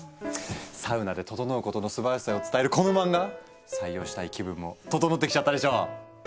「サウナでととのう」ことのすばらしさを伝えるこの漫画採用したい気分もととのってきちゃったでしょう。